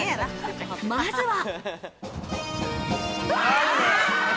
まずは。